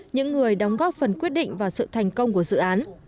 những người đóng góp phần quyết định vào sự thành công của dự án